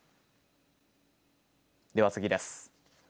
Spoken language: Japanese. では次です。